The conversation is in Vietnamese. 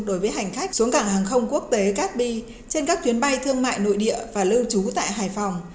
đối với hành khách xuống cảng hàng không quốc tế cát bi trên các tuyến bay thương mại nội địa và lưu trú tại hải phòng